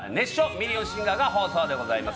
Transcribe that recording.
ミリオンシンガー』が放送でございます。